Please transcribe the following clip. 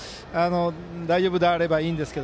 大丈夫であればいいんですが。